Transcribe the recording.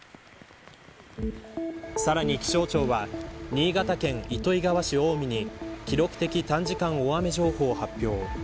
さらに気象庁は新潟県糸魚川市青海に記録的短時間大雨情報を発表。